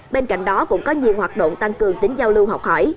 bên cạnh đó cũng có nhiều hoạt động tăng cường tính giao lưu học hỏi